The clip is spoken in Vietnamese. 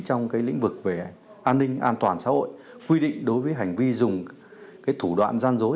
trong cái lĩnh vực về an ninh an toàn xã hội quy định đối với hành vi dùng cái thủ đoạn gian dối